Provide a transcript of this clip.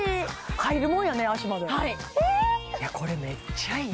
入るもんやね